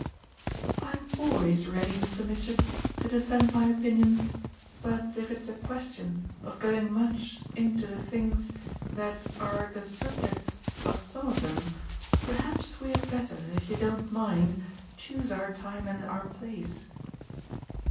"I'm always ready, Mr. Mitchett, to defend my opinions; but if it's a question of going much into the things that are the subjects of some of them perhaps we had better, if you don't mind, choose our time and our place."